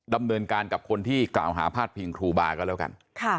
ดำเนินการกับคนที่กล่าวหาพาดพิงครูบาก็แล้วกัน